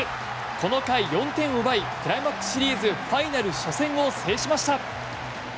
この回４点を奪いクライマックスシリーズファイナル初戦を制しました。